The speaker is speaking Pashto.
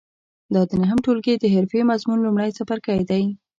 دا د نهم ټولګي د حرفې مضمون لومړی څپرکی دی.